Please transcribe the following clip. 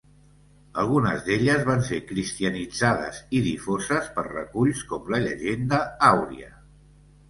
Algunes d'elles van ser cristianitzades i difoses per reculls com la Llegenda àuria.